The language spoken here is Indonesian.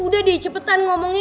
udah deh cepetan ngomongnya